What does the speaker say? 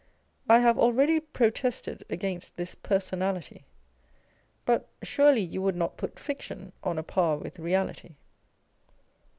I have already protested against this personality. But surely you would not put fiction on a par with reality